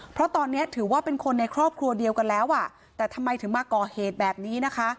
เพราะตอนนี้ถือว่าเป็นคนในครอบครัวเดียวกันแล้วอ่ะแต่ทำไมถึงมาก่อเหตุแบบนี้นะคะ